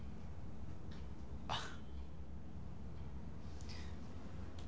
あっ。